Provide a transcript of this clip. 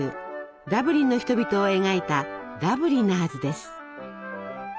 ダブリンの人々を描いた「ダブリナーズ」です。